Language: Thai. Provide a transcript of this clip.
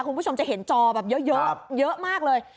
คุณผู้ชมจะเห็นจอแบบเยอะมากเลย